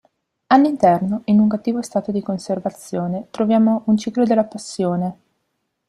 All'interno, in cattivo stato di conservazione, troviamo, un "Ciclo della Passione".